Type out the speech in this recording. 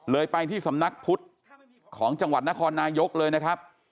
ไปที่สำนักพุทธของจังหวัดนครนายกเลยนะครับ